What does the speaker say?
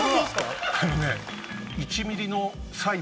あのね。